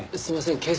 すいません。